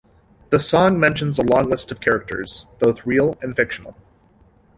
The song mentions a long list of characters, both real and fictional.